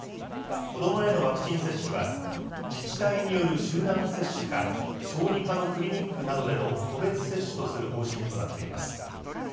子どもへのワクチン接種は、自治体による集団接種か、小児科のクリニックなどでの個別接種とする方針となっています。